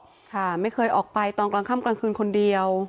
ค่ะไม่เคยออกไปตอนกลางค่ำกลางคืนคนเดียว